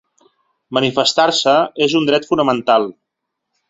Manifestar-se és un dret fonamental.